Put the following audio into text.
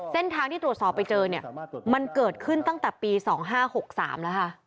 เส้นทางที่ตรวจสอบไปเจอเนี่ยมันเกิดขึ้นตั้งแต่ปี๒๕๖๓แล้วค่ะ